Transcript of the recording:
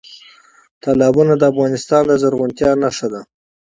تالابونه د افغانستان د زرغونتیا نښه ده.